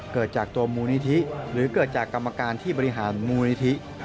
เกิดจากตัวมูลนิธิหรือเกิดจากกรรมการที่บริหารมูลนิธิ